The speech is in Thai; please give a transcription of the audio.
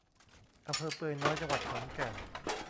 อำเภอเปือยน้อย จังหวัดขอนแก่น